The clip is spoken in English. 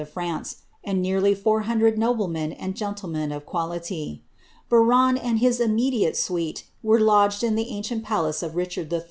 of France, and nearly four hundred noblemen and gentlemen of quality. Biron and his immediate suite were lodged in the ancient palace of Ri chard III.